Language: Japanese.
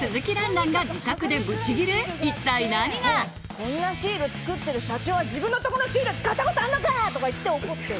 「こんなシール作ってる社長は自分のとこのシールは使ったことあんのか！」とか言って怒ってる。